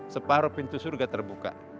separuh pintu surga terbuka